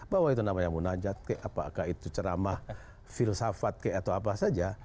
bahwa itu namanya munajat kayak apakah itu ceramah filsafat kayak atau apa saja